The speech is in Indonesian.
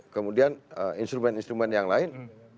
kemudian instrumen instrumen yang lain